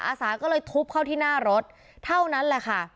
อาสาก็เลยทุบเข้าที่หน้ารถเท่านั้นแหละค่ะ